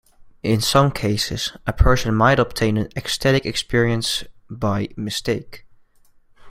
In some cases, a person might obtain an ecstatic experience 'by mistake'.